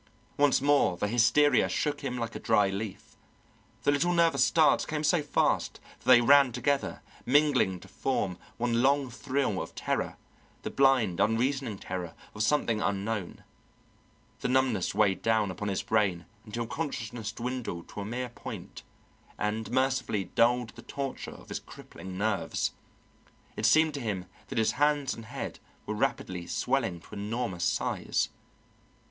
Once more the hysteria shook him like a dry leaf. The little nervous starts came so fast that they ran together, mingling to form one long thrill of terror, the blind, unreasoning terror of something unknown; the numbness weighed down upon his brain until consciousness dwindled to a mere point and mercifully dulled the torture of his crisping nerves. It seemed to him that his hands and head were rapidly swelling to enormous size.